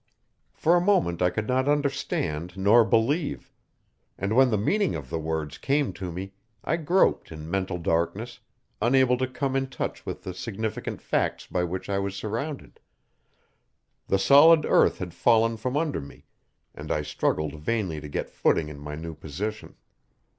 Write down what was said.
For a moment I could not understand nor believe; and when the meaning of the words came to me, I groped in mental darkness, unable to come in touch with the significant facts by which I was surrounded. The solid earth had fallen from under me, and I struggled vainly to get footing in my new position.